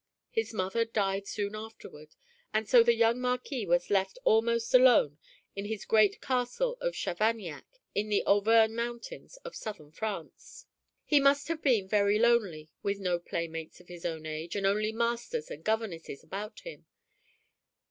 His mother died soon afterward, and so the young Marquis was left almost alone in his great castle of Chavaniac in the Auvergne Mountains of southern France. He must have been very lonely with no playmates of his own age and only masters and governesses about him.